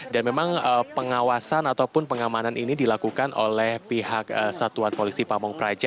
dan memang pengawasan ataupun pengamanan ini dilakukan oleh pihak satuan polisi pamung praja